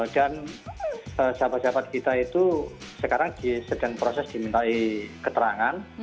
dan sahabat sahabat kita itu sekarang di sedang proses dimintai keterangan